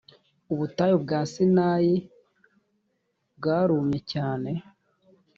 ubutayu bwa sinayi bwarumye cyane.